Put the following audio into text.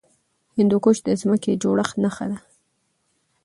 هندوکش د ځمکې د جوړښت نښه ده.